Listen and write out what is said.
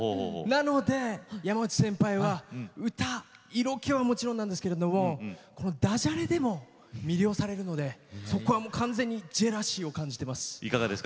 ですので山内先輩は歌、色気はもちろんなんですけれどだじゃれでも魅了されるのでそこは完全にジェラシーを感じています。